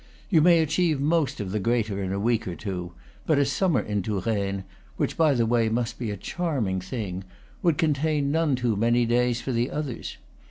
You may achieve most of the greater in a week or two; but a summer in Touraine (which, by the way must be a charming thing) would contain none too many days for the others.